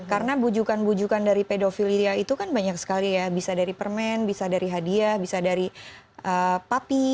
karena bujukan bujukan dari pedofilia itu kan banyak sekali ya bisa dari permen bisa dari hadiah bisa dari papi